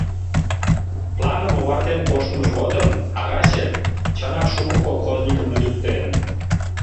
Планым овартен коштмыж годым Агачев, чынак, шуко колхозникым лӱдыктен.